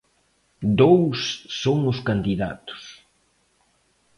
Dous son os candidatos.